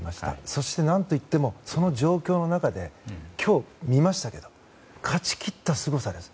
そして、何と言ってもその状況の中で今日見ましたけど勝ち切ったすごさです。